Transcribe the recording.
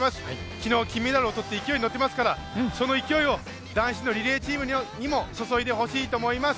昨日、金メダルをとって勢いに乗っていますからその勢いを男子のリレーチームにも注いでほしいと思います。